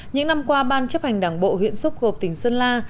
những năm qua ban chấp hành đảng bộ huyện xúc cộp tỉnh sơn la